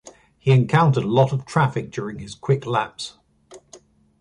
He encountered a lot of traffic during his quick laps.